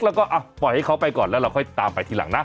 แล้วก็ปล่อยให้เขาไปก่อนแล้วเราค่อยตามไปทีหลังนะ